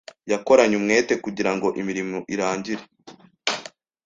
Yakoranye umwete kugirango imirimo irangire.